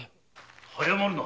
早まるな。